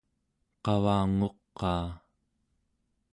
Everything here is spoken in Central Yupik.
qavanguqaa